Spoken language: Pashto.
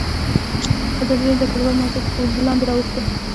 ازادي راډیو د کډوال موضوع تر پوښښ لاندې راوستې.